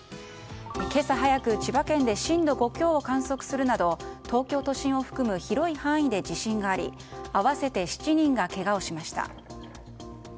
今朝早く千葉県で震度５強を観測するなど東京都心を含む広い範囲で地震があり合わせて７人がけがをしました。